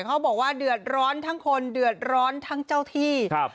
เขาบอกว่าเดือดร้อนทั้งคนเดือดร้อนทั้งเจ้าที่ครับ